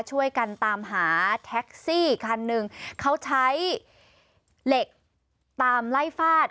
ช่วยกันตามหาแท็กซี่คันหนึ่งเขาใช้เหล็กตามไล่ฟาด